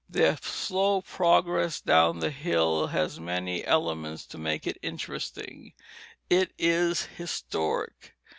Their slow progress down the hill has many elements to make it interesting; it is historic.